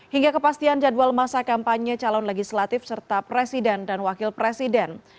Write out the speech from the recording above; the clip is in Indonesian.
hingga kepastian jadwal masa kampanye calon legislatif serta presiden dan wakil presiden